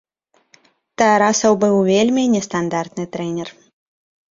Тарасаў быў вельмі нестандартны трэнер.